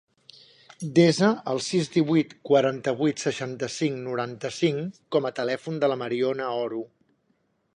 Desa el sis, divuit, quaranta-vuit, seixanta-cinc, noranta-cinc com a telèfon de la Mariona Oro.